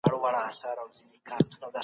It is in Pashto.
ما منلی یې په عقل کی سردار یې